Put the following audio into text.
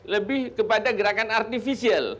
lebih kepada gerakan artifisial